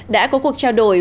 đã có cuộc trải nghiệm